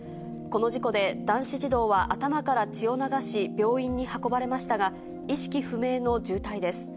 この事故で男子児童は頭から血を流し、病院に運ばれましたが、意識不明の重体です。